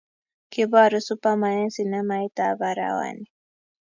Kiboru Superman eng' sinemait ap arawa ni.